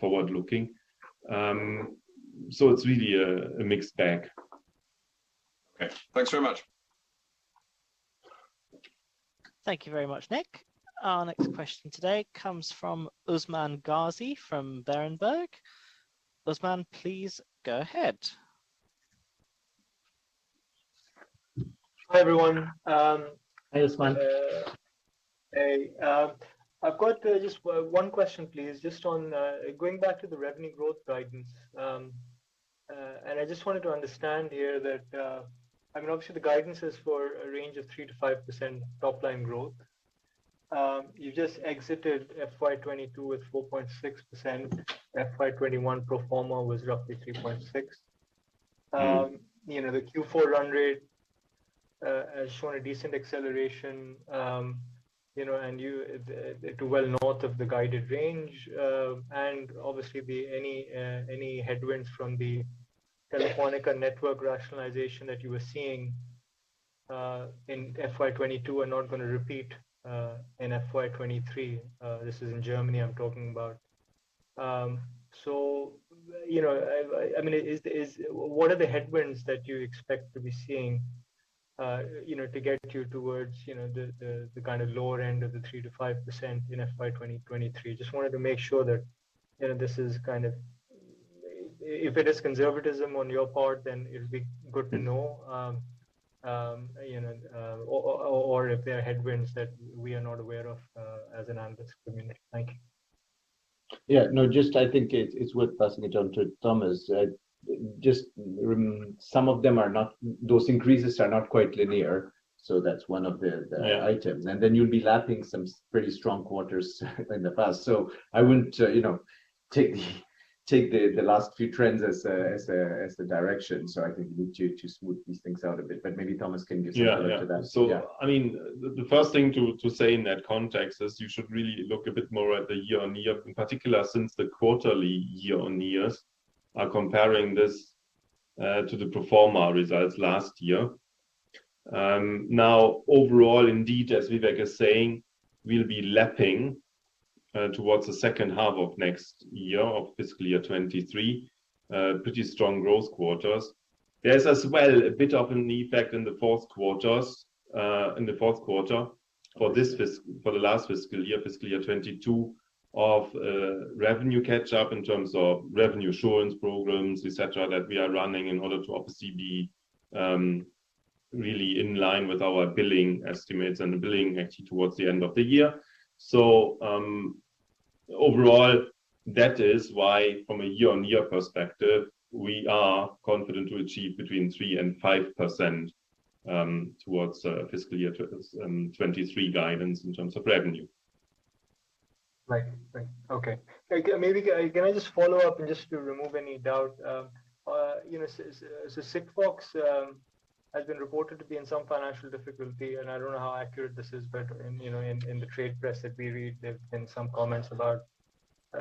forward looking. So it's really a mixed bag. Okay. Thanks very much. Thank you very much, Nick. Our next question today comes from Usman Ghazi from Berenberg. Usman, please go ahead. Hi, everyone. Hi, Usman. Hey. I've got just one question, please, just on going back to the revenue growth guidance. I just wanted to understand here that, I mean, obviously the guidance is for a range of 3%-5% top-line growth. You just exited FY 2022 with 4.6%. FY 2021 pro forma was roughly 3.6%. You know, the Q4 run rate has shown a decent acceleration, you know, and to well north of the guided range. Obviously then any headwinds from the Telefónica network rationalization that you were seeing in FY 2022 are not gonna repeat in FY 2023. This is in Germany, I'm talking about. You know, I mean, is. What are the headwinds that you expect to be seeing, you know, to get you towards, you know, the kind of lower end of the 3%-5% in FY 2023? Just wanted to make sure that, you know, this is kind of if it is conservatism on your part, then it'd be good to know, you know, or if there are headwinds that we are not aware of, as an analyst community. Thank you. Yeah. No, just I think it's worth passing it on to Thomas. Just, those increases are not quite linear, so that's one of the items. Yeah. Then you'll be lapping some pretty strong quarters in the past. I wouldn't, you know, take the last few trends as the direction. I think we need to smooth these things out a bit. Maybe Thomas can give some color to that. Yeah. Yeah. Yeah. I mean, the first thing to say in that context is you should really look a bit more at the year-on-year, in particular since the quarterly year-on-years are comparing this to the pro forma results last year. Now overall, indeed, as Vivek is saying, we'll be lapping towards the second half of next year of fiscal year 2023 pretty strong growth quarters. There's as well a bit of an effect in the fourth quarter for the last fiscal year, fiscal year 2022, of revenue catch up in terms of revenue assurance programs, etc., that we are running in order to obviously be really in line with our billing estimates and the billing actually towards the end of the year. Overall, that is why from a year-on-year perspective, we are confident to achieve between 3% and 5% towards fiscal year 2023 guidance in terms of revenue. Okay. Maybe I can just follow up and just to remove any doubt, you know, Sigfox has been reported to be in some financial difficulty, and I don't know how accurate this is, but you know, in the trade press that we read, there has been some comments about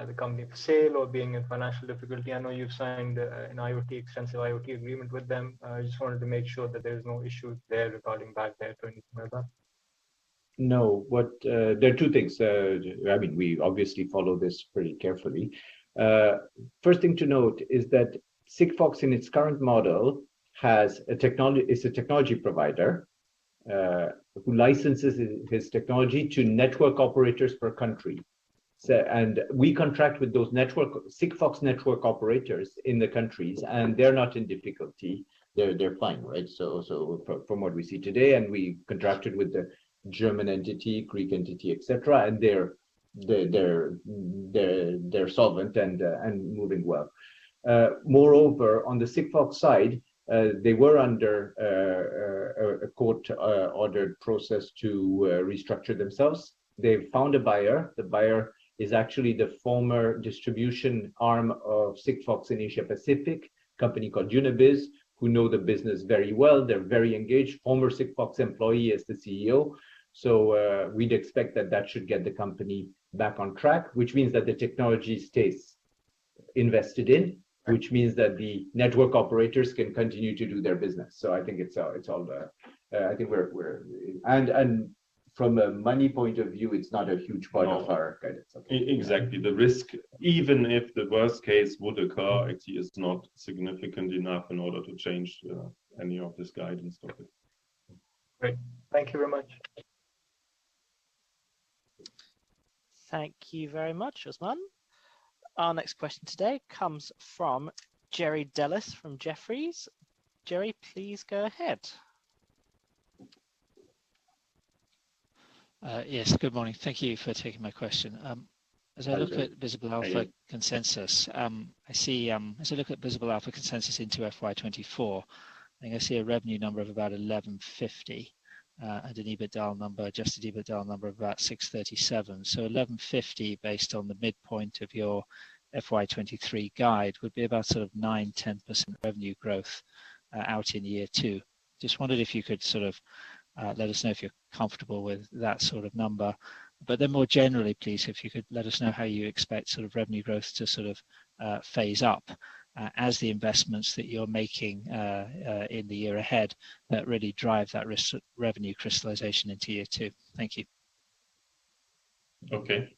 the company for sale or being in financial difficulty. I know you've signed an extensive IoT agreement with them. I just wanted to make sure that there is no issue there regarding bad debt or anything like that. No. What? There are two things. I mean, we obviously follow this pretty carefully. First thing to note is that Sigfox in its current model is a technology provider who licenses his technology to network operators per country. We contract with those Sigfox network operators in the countries, and they're not in difficulty. They're solvent and moving well. Moreover, on the Sigfox side, they were under a court-ordered process to restructure themselves. They found a buyer. The buyer is actually the former distribution arm of Sigfox in Asia Pacific, company called UnaBiz, who know the business very well. They're very engaged, former Sigfox employee is the CEO. We'd expect that should get the company back on track, which means that the technology stays invested in, which means that the network operators can continue to do their business. I think it's all there. I think from a money point of view, it's not a huge part of our guidance. No. Exactly. The risk, even if the worst case would occur, actually is not significant enough in order to change any of this guidance topic. Great. Thank you very much. Thank you very much, Usman. Our next question today comes from Jerry Dellis from Jefferies. Jerry, please go ahead. Yes. Good morning. Thank you for taking my question. As I look at Visible Alpha consensus. Hi, Jerry. How are you? I see, as I look at Visible Alpha consensus into FY 2024, I think I see a revenue number of about 1,150, and an EBITDA number, adjusted EBITDA number of about 637. 1,150, based on the midpoint of your FY 2023 guide, would be about sort of 9%-10% revenue growth out in year two. Just wondered if you could sort of let us know if you're comfortable with that sort of number. More generally, please, if you could let us know how you expect sort of revenue growth to sort of phase up, as the investments that you're making in the year ahead that really drive that revenue crystallization into year two. Thank you. Okay.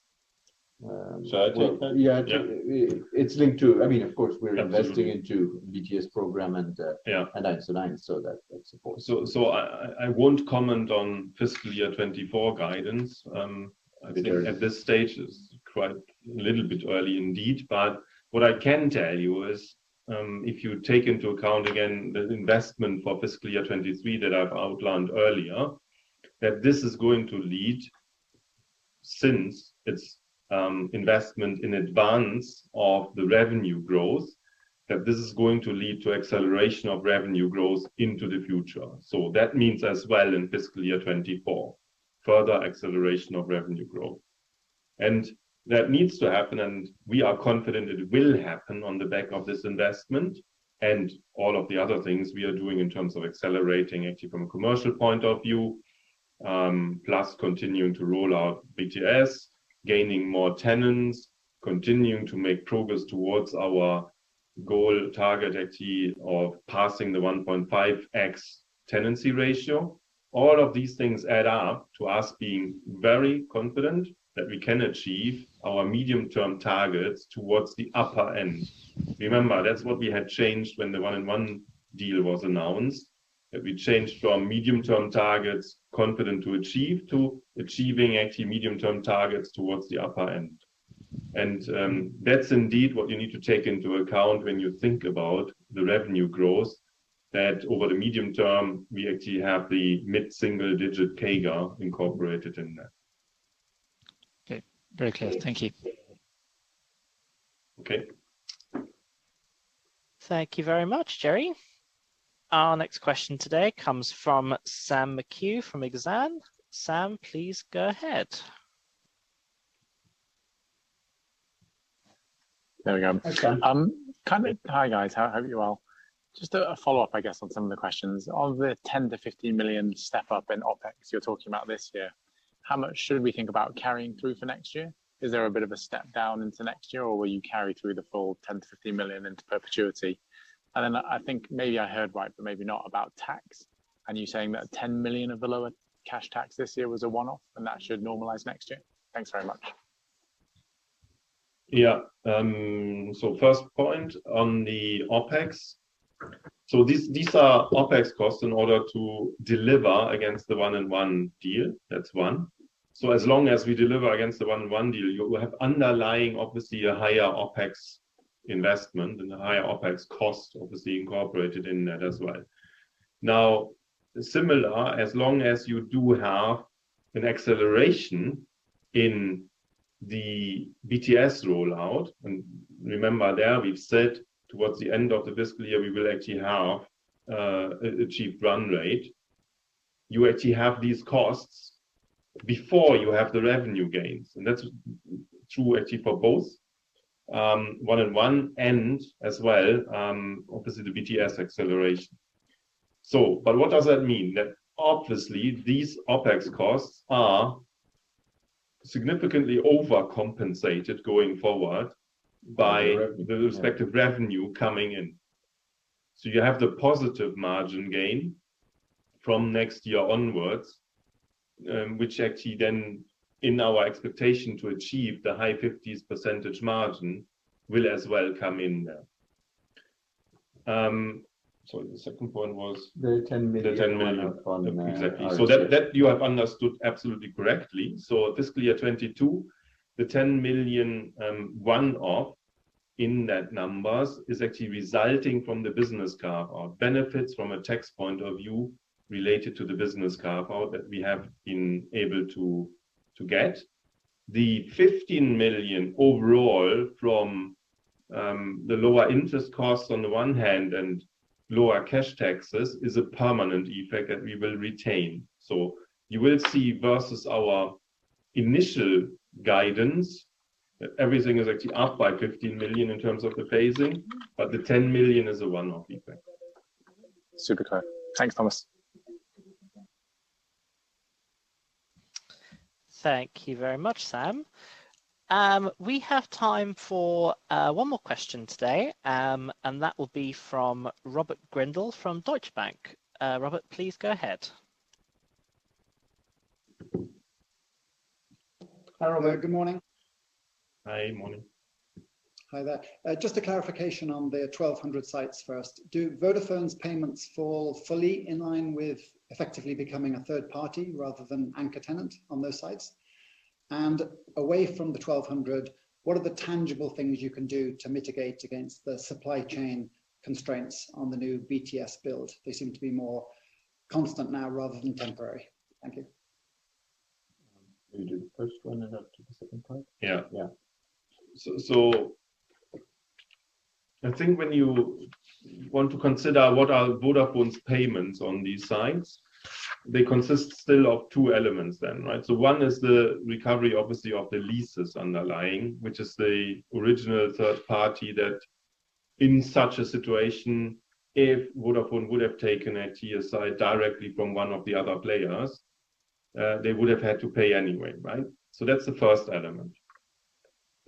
Shall I take that? Well, yeah. Yeah. I mean, of course, we're. Absolutely. Investing into BTS program and. Yeah. 1&1, so that supports. I won't comment on fiscal year 2024 guidance. The year- At this stage, it's quite a little bit early indeed. What I can tell you is, if you take into account again the investment for fiscal year 2023 that I've outlined earlier, that this is going to lead, since it's, investment in advance of the revenue growth, that this is going to lead to acceleration of revenue growth into the future. That means as well in fiscal year 2024, further acceleration of revenue growth. That needs to happen, and we are confident it will happen on the back of this investment and all of the other things we are doing in terms of accelerating actually from a commercial point of view, plus continuing to roll out BTS, gaining more tenants, continuing to make progress towards our goal target actually of passing the 1.5x tenancy ratio. All of these things add up to us being very confident that we can achieve our medium-term targets towards the upper end. Remember, that's what we had changed when the 1&1 deal was announced. That we changed from medium-term targets confident to achieve to achieving actually medium-term targets towards the upper end. That's indeed what you need to take into account when you think about the revenue growth, that over the medium term, we actually have the mid-single digit CAGR incorporated in there. Okay. Very clear. Thank you. Okay. Thank you very much, Jerry. Our next question today comes from Sam McHugh from Exane. Sam, please go ahead. There we go. Okay. Hi, guys. Hope you're well. Just a follow-up, I guess, on some of the questions. Of the 10-15 million step-up in OpEx you're talking about this year, how much should we think about carrying through for next year? Is there a bit of a step down into next year, or will you carry through the full 10-15 million into perpetuity? I think maybe I heard right, but maybe not about tax. Are you saying that 10 million of the lower cash tax this year was a one-off, and that should normalize next year? Thanks very much. Yeah. First point on the OpEx. These are OpEx costs in order to deliver against the 1&1 deal. That's one. As long as we deliver against the 1&1 deal, you will have underlying, obviously, a higher OpEx investment and a higher OpEx cost, obviously, incorporated in that as well. Now, similar, as long as you do have an acceleration in the BTS rollout, and remember there we've said towards the end of the fiscal year, we will actually have achieved run rate. You actually have these costs before you have the revenue gains, and that's true actually for both, 1&1 and as well, obviously the BTS acceleration. What does that mean? That obviously these OpEx costs are significantly overcompensated going forward by- The revenue. Yeah. the respective revenue coming in. You have the positive margin gain from next year onwards, which actually then in our expectation to achieve the high 50s% margin will as well come in there. The second point was? The 10 million. The 10 million. Step-up on RC. Exactly. That you have understood absolutely correctly. Fiscal year 2022, the 10 million one-off in that number is actually arising from the business carve-out, benefits from a tax point of view related to the business carve-out that we have been able to get. The 15 million overall from the lower interest costs on the one hand and lower cash taxes is a permanent effect that we will retain. You will see versus our initial guidance that everything is actually up by 15 million in terms of the phasing, but the 10 million is a one-off effect. Super clear. Thanks, Thomas. Thank you very much, Sam. We have time for one more question today, and that will be from Robert Grindle from Deutsche Bank. Robert, please go ahead. Hi, Robert. Good morning. Hi. Morning. Hi there. Just a clarification on the 1,200 sites first. Do Vodafone's payments fall fully in line with effectively becoming a third party rather than anchor tenant on those sites? Away from the 1,200, what are the tangible things you can do to mitigate against the supply chain constraints on the new BTS build? They seem to be more constant now rather than temporary. Thank you. Can you do the first one and then to the second part? Yeah. Yeah. I think when you want to consider what are Vodafone's payments on these sites, they consist still of two elements then, right? One is the recovery, obviously, of the leases underlying, which is the original third party that in such a situation, if Vodafone would have taken a TSI directly from one of the other players, they would have had to pay anyway, right? That's the first element.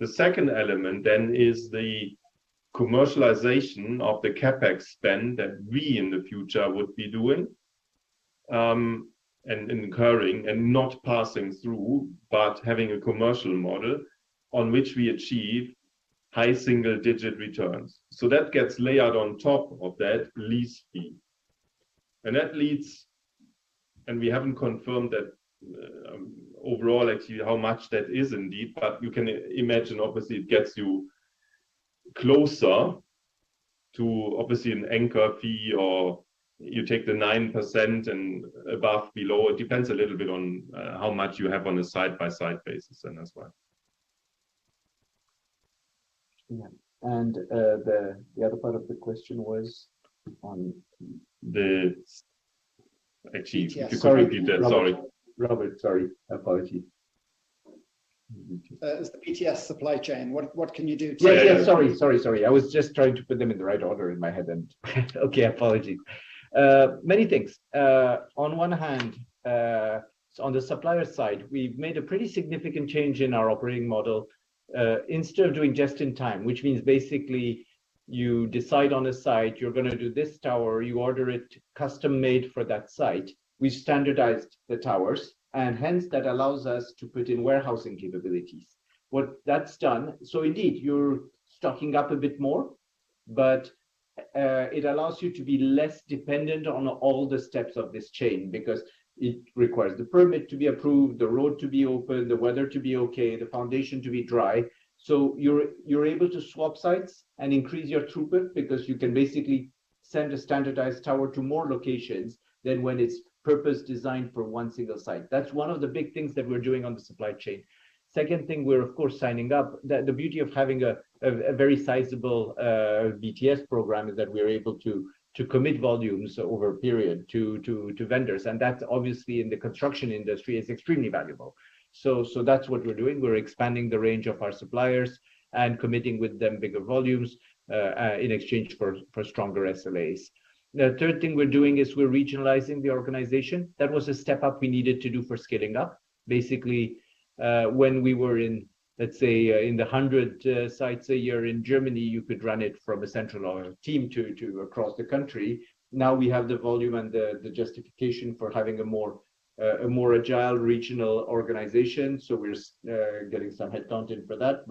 The second element is the commercialization of the CapEx spend that we in the future would be doing, and incurring and not passing through, but having a commercial model on which we achieve high single digit returns. That gets layered on top of that lease fee. that leads, and we haven't confirmed that, overall actually how much that is indeed, but you can imagine obviously it gets you closer to obviously an anchor fee or you take the 9% and above, below. It depends a little bit on, how much you have on a site by site basis then as well. Yeah. The other part of the question was on- Actually, could you repeat that? Sorry. Robert, sorry. Apology. It's the BTS supply chain. What can you do to- Yeah. Sorry. I was just trying to put them in the right order in my head and okay, apology. Many things. On one hand, on the supplier side, we've made a pretty significant change in our operating model. Instead of doing just in time, which means basically you decide on a site, you're gonna do this tower, you order it custom made for that site. We standardized the towers, and hence that allows us to put in warehousing capabilities. What that's done. Indeed, you're stocking up a bit more, but it allows you to be less dependent on all the steps of this chain because it requires the permit to be approved, the road to be open, the weather to be okay, the foundation to be dry. You're able to swap sites and increase your throughput because you can basically send a standardized tower to more locations than when it's purpose-designed for one single site. That's one of the big things that we're doing on the supply chain. Second thing, we're of course signing up. The beauty of having a very sizable BTS program is that we're able to commit volumes over a period to vendors. That obviously in the construction industry is extremely valuable. That's what we're doing. We're expanding the range of our suppliers and committing with them bigger volumes in exchange for stronger SLAs. The third thing we're doing is we're regionalizing the organization. That was a step up we needed to do for scaling up. Basically, when we were in the 100 sites a year in Germany, you could run it from a central team to across the country. Now we have the volume and the justification for having a more agile regional organization. We're getting some headcount in for that.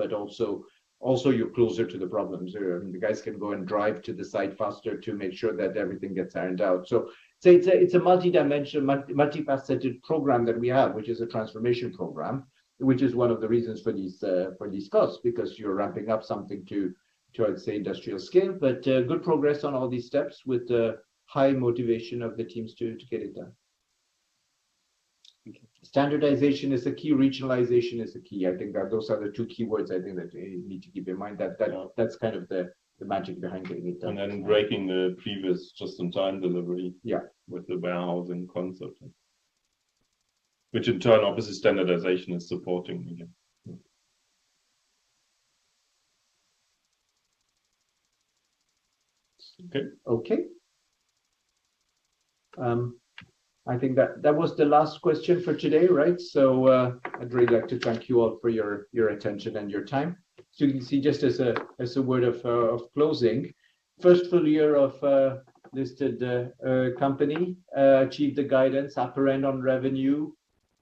Also you're closer to the problems. The guys can go and drive to the site faster to make sure that everything gets ironed out. It's a multifaceted program that we have, which is a transformation program, which is one of the reasons for these costs, because you're ramping up something to industrial scale. Good progress on all these steps with the high motivation of the teams to get it done. Okay. Standardization is the key. Regionalization is the key. I think that those are the two keywords I think that you need to keep in mind. That's kind of the magic behind getting it done. Breaking the previous just-in-time delivery. Yeah with the warehousing concept, which in turn obviously standardization is supporting again. Okay. Okay. I think that was the last question for today, right? I'd really like to thank you all for your attention and your time. You can see just as a word of closing, first full year of listed company achieved the guidance upper end on revenue,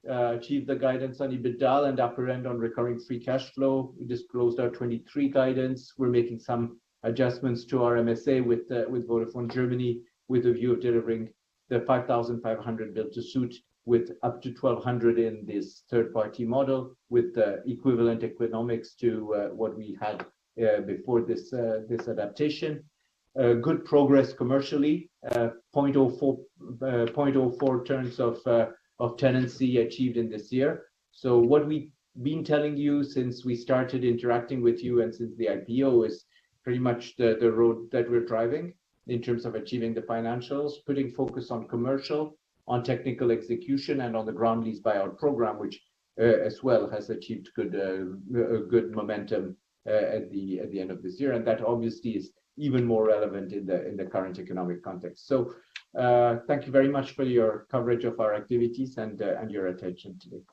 achieved the guidance on EBITDA and upper end on recurring free cash flow. We disclosed our 2023 guidance. We're making some adjustments to our MSA with Vodafone Germany with a view of delivering the 5,500 build-to-suit with up to 1,200 in this third-party model with the equivalent economics to what we had before this adaptation. Good progress commercially. 0.4 terms of tenancy achieved in this year. What we've been telling you since we started interacting with you and since the IPO is pretty much the road that we're driving in terms of achieving the financials, putting focus on commercial, on technical execution, and on the ground lease buyout program, which as well has achieved good momentum at the end of this year. That obviously is even more relevant in the current economic context. Thank you very much for your coverage of our activities and your attention today.